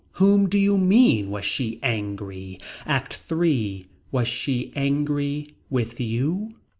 Whom do you mean was she angry. ACT III. Was she angry with you.